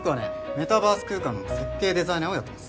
メタバース空間の設計デザイナーをやってます